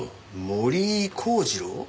森井孝次郎？